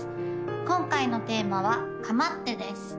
今回のテーマは「かまって」です